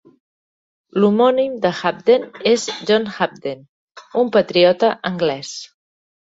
L'homònim de Hampden és John Hampden, un patriota anglès.